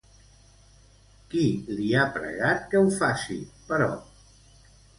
Qui li ha pregat que ho faci, però?